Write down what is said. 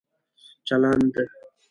چلند